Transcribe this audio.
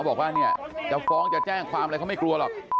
บอกว่าเนี่ยจะฟ้องจะแจ้งความอะไรเขาไม่กลัวหรอก